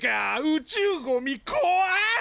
宇宙ゴミこわい！